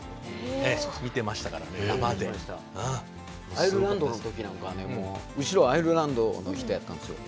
アイルランドの時なんかはねもう後ろアイルランドの人やったんですよ。